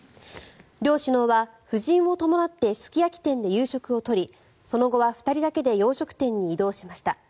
両首脳は、夫人を伴ってすき焼き店で夕食を取りその後は２人だけで洋食店に移動しました。